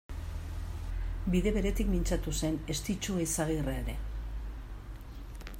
Bide beretik mintzatu zen Estitxu Eizagirre ere.